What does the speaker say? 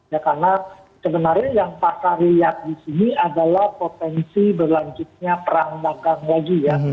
ya karena sebenarnya yang pasar lihat di sini adalah potensi berlanjutnya perang dagang lagi ya